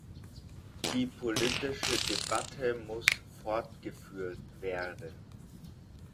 Die politische Debatte muss fortgeführt werden.